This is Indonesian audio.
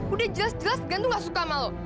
udah jelas jelas glenn tuh gak suka sama lo